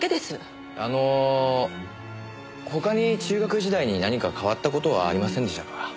あの他に中学時代に何か変わった事はありませんでしたか？